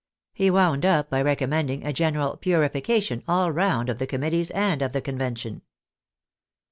He wound up by recommending a general " purification " all round of the Committees and of the Convention.